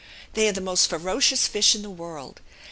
They are the most ferocious fish in the world.